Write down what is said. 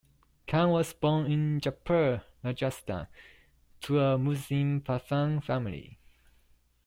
Khan was born in Jaipur, Rajasthan, to a Muslim Pathan family.